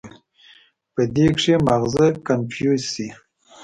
پۀ دې کښې مازغه کنفيوز شي